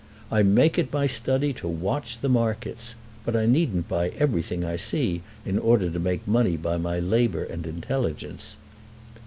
I make it my study to watch the markets; but I needn't buy everything I see in order to make money by my labour and intelligence."